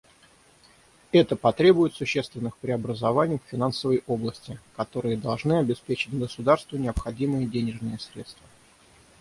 Это потребует существенных преобразований в финансовой области, которые должны обеспечить государству необходимые денежные средства.